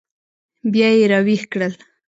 بیا یې راویښ کړل.